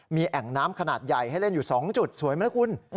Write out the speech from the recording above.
มีแอ่งน้ำขนาดใหญ่ให้เล่นอยู่๒จุดสวยไหมนะคุณ